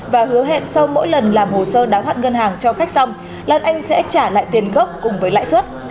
và hứa hẹn sau mỗi lần làm hồ sơ đáo hạn ngân hàng cho khách xong lan anh sẽ trả lại tiền gốc cùng với lãi suất